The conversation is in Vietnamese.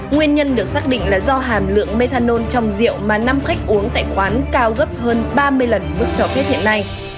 nguyên nhân được xác định là do hàm lượng methanol trong rượu mà năm khách uống tại quán cao gấp hơn ba mươi lần mức cho phép hiện nay